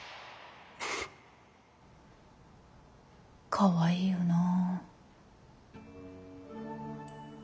かわいいよなあ。